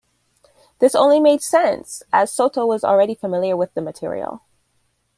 This only made sense, as Soto was already familiar with the material.